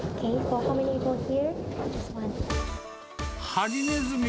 ハリネズミ。